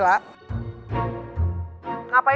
gak ada apa apa